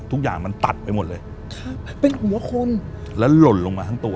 ทุกอย่างมันตัดไปหมดเลยครับเป็นหัวคนแล้วหล่นลงมาทั้งตัว